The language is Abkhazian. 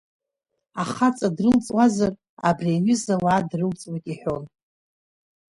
Ахаҵа дрылҵуазар абри аҩыза ауаа дрылҵуеит, — иҳәон.